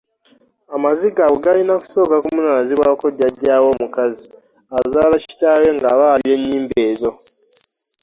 Amaziga ago galina kusooka kumunaazibwako jjajja we omukazi azaala kitaawe nga baabya ennyimbe ezo.